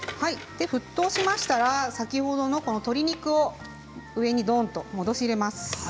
沸騰しましたら先ほどの鶏肉を上にどんと戻し入れます。